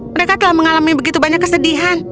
mereka telah mengalami begitu banyak kesedihan